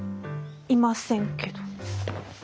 いませんけど。